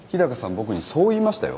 僕にそう言いましたよ。